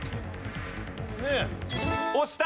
押した！